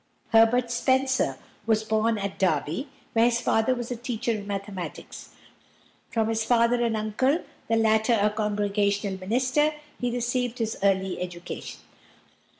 =Herbert Spencer (1820 )= was born at Derby, where his father was a teacher of mathematics. From his father and uncle, the latter a Congregational minister, he received his early education.